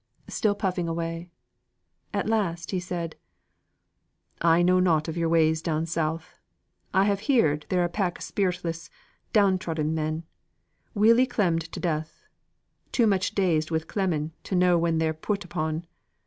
Still puffing away. At last he said: "I know nought of your ways down South. I have heerd they're a pack of spiritless, down trodden men; welly clemmed to death; too dazed wi' clemming to know when they're put upon.